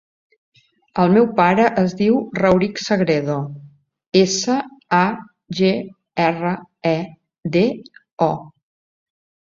El meu pare es diu Rauric Sagredo: essa, a, ge, erra, e, de, o.